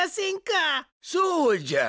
そうじゃ。